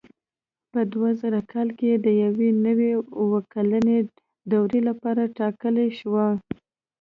په دوه زره کال کې د یوې نوې اووه کلنې دورې لپاره ټاکنې وشوې.